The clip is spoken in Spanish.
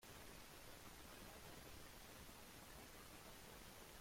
Es la cocinera de la nave y productora del programa.